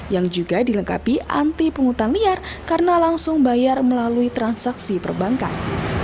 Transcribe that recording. yang juga dilengkapi anti penghutang liar karena langsung bayar melalui transaksi perbankan